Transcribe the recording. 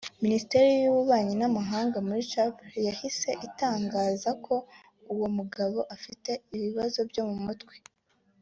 Minisiteri y’Ububanyi n’Amahanga muri Chypre yahise itangaza ko uwo mugabo afite ibibazo byo mu mutwe